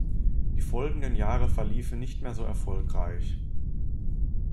Die folgenden Jahre verliefen nicht mehr so erfolgreich.